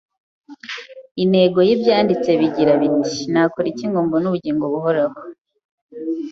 intego y’Ibyanditswe bigira biti, ‘Nakora iki ngo mbone ubugingo buhoraho